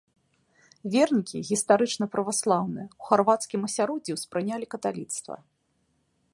Вернікі, гістарычна праваслаўныя, у харвацкім асяроддзі ўспрынялі каталіцтва.